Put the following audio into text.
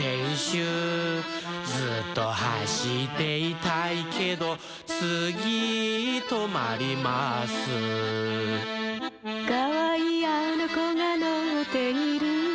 「ずっとはしっていたいけど」「つぎとまります」「かわいいあのこがのっている」